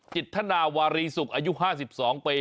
จิตธนาวารีสุกอายุ๕๒ปี